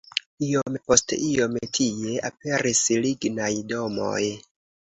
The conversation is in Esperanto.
Iom post iom tie aperis lignaj domoj.